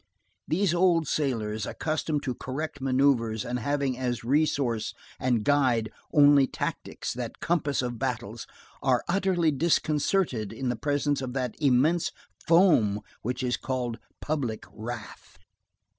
These old sailors, accustomed to correct manœuvres and having as resource and guide only tactics, that compass of battles, are utterly disconcerted in the presence of that immense foam which is called public wrath.